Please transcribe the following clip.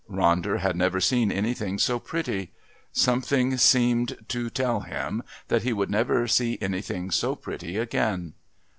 Ronder had never seen anything so pretty; something seemed to tell him that he would never see anything so pretty again.